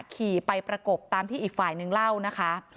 ขี่ไปประกบตามที่อีกฝ่ายนึงเล่านะคะ